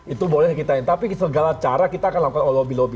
itu boleh kita tapi segala cara kita akan lakukan lobby lobby